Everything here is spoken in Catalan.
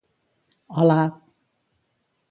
hola